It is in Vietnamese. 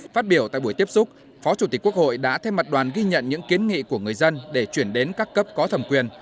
phát biểu tại buổi tiếp xúc phó chủ tịch quốc hội đã thêm mặt đoàn ghi nhận những kiến nghị của người dân để chuyển đến các cấp có thẩm quyền